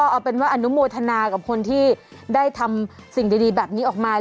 เอาเป็นว่าอนุโมทนากับคนที่ได้ทำสิ่งดีแบบนี้ออกมา